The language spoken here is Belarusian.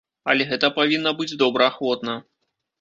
Але гэта павінна быць добраахвотна.